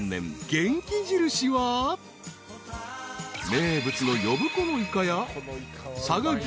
［名物の呼子のイカや佐賀牛］